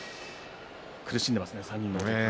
苦しんでいますね３人とも。